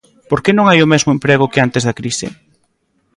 ¿Por que non hai o mesmo emprego que antes da crise?